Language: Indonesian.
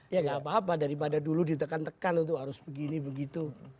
ya gak apa apa daripada dulu ditekan tekan untuk harus begini begitu